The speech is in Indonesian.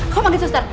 kamu panggil suster